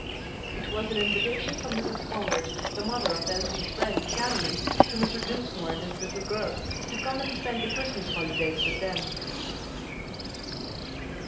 It was an invitation from Mrs. Howard the mother of Elsie's friend, Caroline to Mr. Dinsmore and his little girl, to come and spend the Christmas holidays with them.